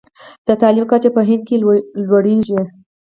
د تعلیم کچه په هند کې لوړیږي.